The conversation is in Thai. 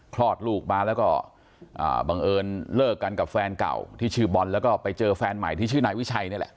คลอดลูกมาแล้วก็บังเอิญเลิกกันกับแฟนเก่าที่ชื่อบอลแล้วก็ไปเจอแฟนใหม่ที่ชื่อนายวิชัยนี่แหละ